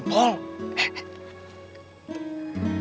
a'ah teh sampai ngomong